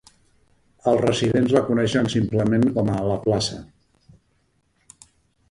Els residents la coneixen simplement com a "la Plaça".